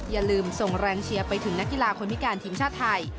อย่าลืมส่งแรงเชียร์ไปถึงนักกีฬาคนพิการทีมชาติไทย